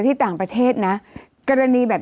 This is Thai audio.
มันติดคุกออกไปออกมาได้สองเดือน